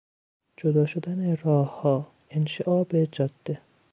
جدا شدن راهها، انشعاب جاده